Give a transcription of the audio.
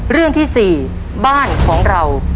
เรื่องที่๔บ้านของเรา